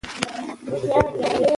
د خوراک پر مهال تلويزيون مه چلوئ.